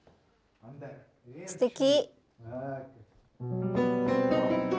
すてき！